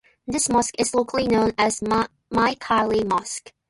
This mosque is locally known as Mai Khairi mosque.